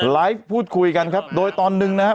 ไลฟ์พูดคุยกันครับโดยตอนหนึ่งนะครับ